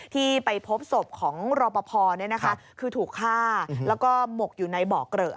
ที่ไปพบศพของรอปภคือถูกฆ่าแล้วก็หมกอยู่ในเบาะเกลอะ